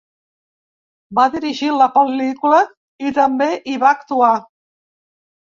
Va dirigir la pel·lícula i també hi va actuar.